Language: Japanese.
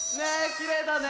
きれいだね。